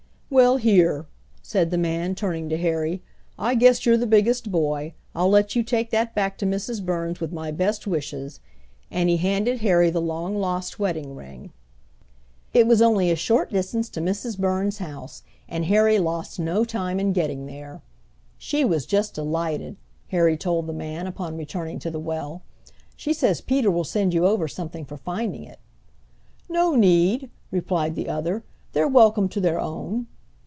"Well, here," said the man, turning to Harry. "I guess you're the biggest boy; I'll let you take that back to Mrs. Burns with my best wishes," and he handed Harry the long lost wedding ring. It was only a short distance to Mrs. Burns' house, and Harry lost no time in getting there. "She was just delighted," Harry told the man, upon returning to the well. "She says Peter will send you over something for finding it." "No need," replied the other; "they're welcome to their own."